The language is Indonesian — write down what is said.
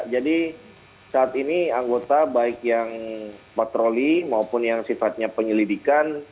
jadi saat ini anggota baik yang patroli maupun yang sifatnya penyelidikan